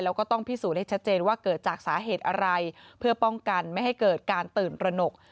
แล้วก็ต้องพิสูจน์ให้ชัดเจนว่าเกิดจากสาเหตุอะไรเพื่อป้องกันไม่ให้เกิดการตื่นตระหนก